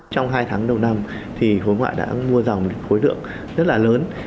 trong hai tháng đầu năm thì khối ngoại đã mua dòng một khối lượng rất là lớn